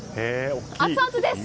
アツアツです。